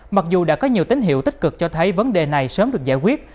mặc dù đã có nhiều tín hiệu tích cực cho thấy vấn đề này sớm được giải quyết